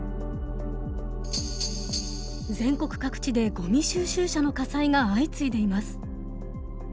全国各地でごみ収集車の火災が相次いでいます。